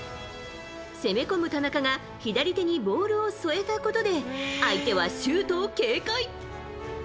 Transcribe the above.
攻め込む田中が左手にボールを添えたことで相手はシュートを警戒。